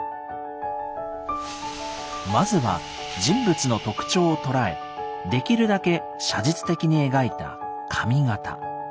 まずは人物の特徴を捉えできるだけ写実的に描いた「紙形」。